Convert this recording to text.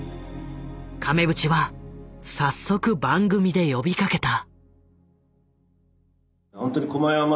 亀渕は早速番組で呼びかけた。